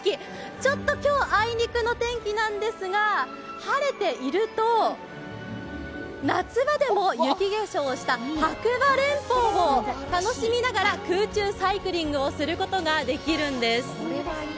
ちょっと今日あいにくの天気なんですが晴れていると、夏場でも雪化粧した白馬連峰を楽しみながら空中サイクリングをすることができるんです。